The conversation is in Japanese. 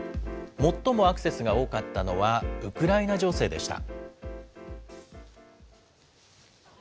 最もアクセスが多かったのはウクライナ情勢でした。